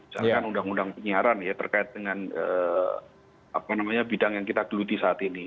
seakan akan undang undang penyiaran ya terkait dengan bidang yang kita duluti saat ini